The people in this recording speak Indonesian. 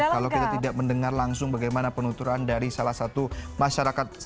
kalau kita tidak mendengar langsung bagaimana penuturan dari salah satu masyarakat